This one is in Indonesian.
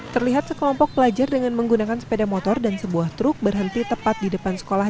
terlihat sekelompok pelajar dengan menggunakan sepeda motor dan sebuah truk berhenti tepat di depan sekolah